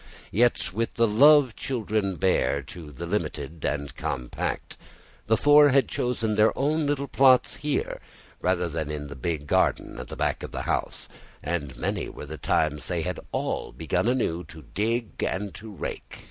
Yet, with the love children bear to the limited and compact, the four had chosen their own little plots here rather than in the big garden at the back of the house; and many were the times they had all begun anew to dig and to rake.